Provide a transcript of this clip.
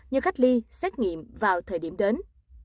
như khách ly xét nghiệm vào thời điểm đến